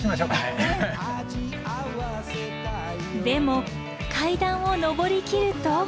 でも階段を上りきると。